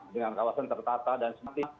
dengan kawasan tertata dan sempit